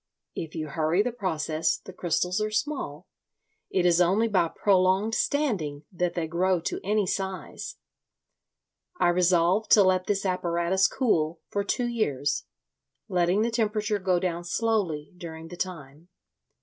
If you hurry the process the crystals are small—it is only by prolonged standing that they grow to any size. I resolved to let this apparatus cool for two years, letting the temperature go down slowly during the time.